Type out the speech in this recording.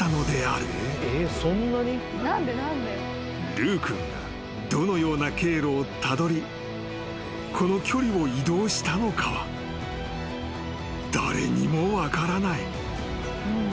［ルー君がどのような経路をたどりこの距離を移動したのかは誰にも分からない］